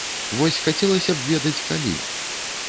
Вось хацелася б ведаць, калі.